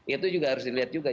itu juga harus dilihat juga